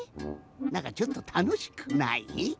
なんかちょっとたのしくない？